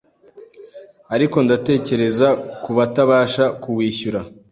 ariko ndatekereza ku batabasha kuwishyura".